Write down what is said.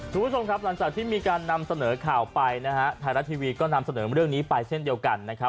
คุณผู้ชมครับหลังจากที่มีการนำเสนอข่าวไปนะฮะไทยรัฐทีวีก็นำเสนอเรื่องนี้ไปเช่นเดียวกันนะครับ